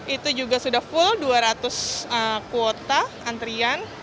itu juga sudah full dua ratus kuota antrian